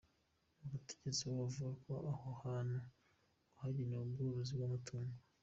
Abategetsi bo bavuga ko aho hantu ngo hagenewe ubworozi bw’amatungo.